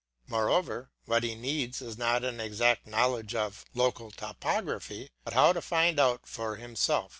Moreover, what he needs is not an exact knowledge of local topography, but how to find out for himself.